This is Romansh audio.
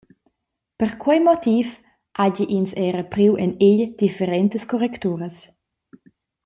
Per quei motiv hagi ins era priu en egl differentas correcturas.